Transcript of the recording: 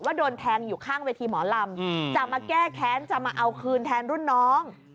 โดนแทงอยู่ข้างเวทีหมอลำจะมาแก้แค้นจะมาเอาคืนแทนรุ่นน้อง